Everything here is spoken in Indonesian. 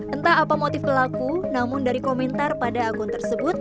entah apa motif pelaku namun dari komentar pada akun tersebut